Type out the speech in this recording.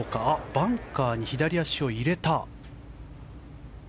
バンカーに左足を入れた。